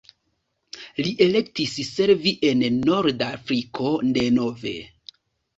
Li elektis servi en Nordafriko denove.